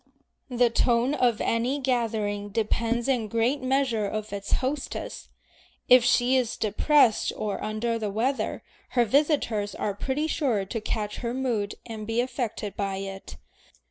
The tone of any gathering depends in great measure on its hostess. If she is depressed or under the weather, her visitors are pretty sure to catch her mood and be affected by it.